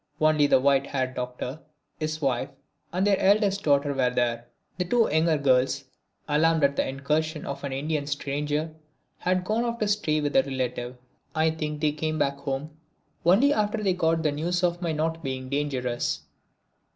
Only the white haired Doctor, his wife and their eldest daughter were there. The two younger girls, alarmed at this incursion of an Indian stranger had gone off to stay with a relative. I think they came back home only after they got the news of my not being dangerous.